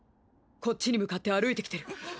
こっちに向かって歩いてきてる。